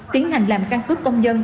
tiến hành làm căn cứ công dân